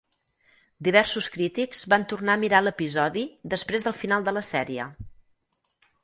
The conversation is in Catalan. Diversos crítics van tornar a mirar l'episodi després del final de la sèrie.